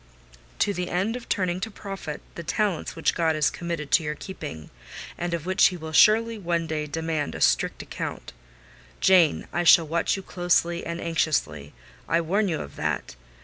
"To the end of turning to profit the talents which God has committed to your keeping; and of which He will surely one day demand a strict account. Jane, I shall watch you closely and anxiously—I warn you of that.